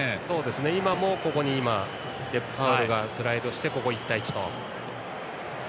今も、デパウルがスライドしてここ１対１と。